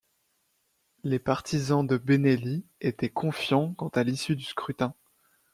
Les partisans de Benelli étaient confiants quant à l'issue du scrutin.